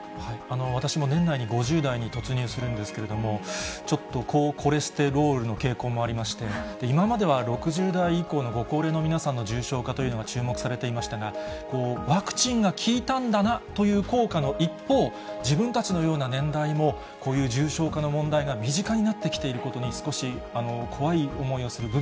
私も年内に５０代に突入するんですけれども、ちょっと高コレステロールの傾向もありまして、今までは６０代以降のご高齢の皆さんの重症化というのが注目されていましたが、ワクチンが効いたんだなという効果の一方、自分たちのような年代も、こういう重症化の問題が身近になってきていることに、少し怖い思